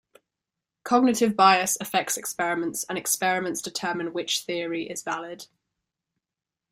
Cognitive bias affects experiments, and experiments determine which theory is valid.